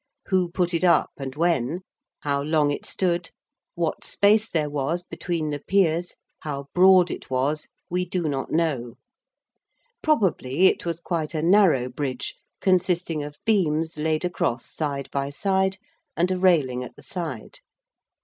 Who put it up, and when how long it stood what space there was between the piers how broad it was we do not know. Probably it was quite a narrow bridge consisting of beams laid across side by side and a railing at the side.